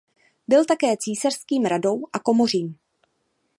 Byl také císařským radou a komořím.